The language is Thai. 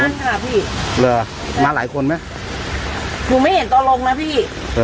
นั่นค่ะพี่เหรอมาหลายคนไหมหนูไม่เห็นตอนลงนะพี่